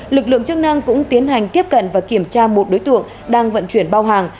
lực lượng chức năng cũng tiến hành tiếp cận và kiểm tra một đối tượng đang vận chuyển bao hàng